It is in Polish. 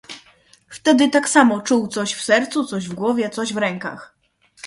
"Wtedy tak samo czuł coś w sercu, coś w głowie, coś w rękach."